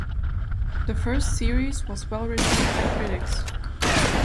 The first series was well received by critics.